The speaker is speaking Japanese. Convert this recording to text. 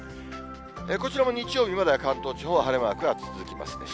こちらも日曜日までは、関東地方は晴れマークが続きます。